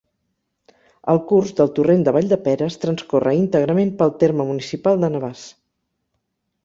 El curs del Torrent de Valldeperes transcorre íntegrament pel terme municipal de Navars.